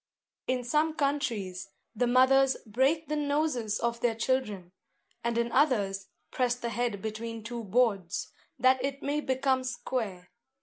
In some countries, the mothers break the noses of their children; and in others press the head between two boards, that it may become square.